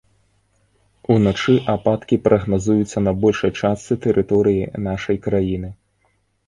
Уначы ападкі прагназуюцца на большай частцы тэрыторыі нашай краіны.